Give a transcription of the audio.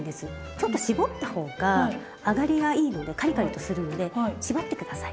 ちょっと絞った方が揚がりがいいのでカリカリとするので絞って下さい。